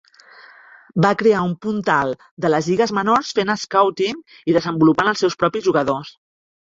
Va crear un puntal de les lligues menors fent "scouting" i desenvolupant els seus propis jugadors.